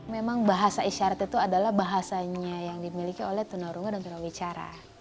memang bahasa isyarat itu adalah bahasanya yang dimiliki oleh tunarunga dan tunawicara